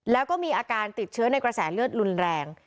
แล้วก็มีอาการติดเชื้อในกระแสเลือดรุนแรง